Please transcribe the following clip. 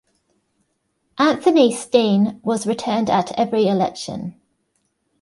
Anthony Steen was returned at every election.